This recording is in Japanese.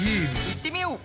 いってみよう！